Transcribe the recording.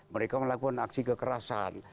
mereka melakukan aksi kekerasan